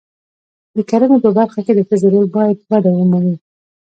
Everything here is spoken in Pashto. د کرنې په برخه کې د ښځو رول باید وده ومومي.